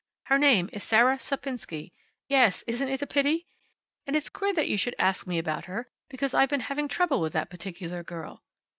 Her name is Sarah Sapinsky yes, isn't it a pity! and it's queer that you should ask me about her because I've been having trouble with that particular girl."